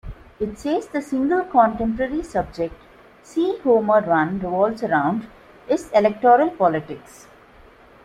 It says the "single contemporary subject" "See Homer Run" revolves around is "electoral politics".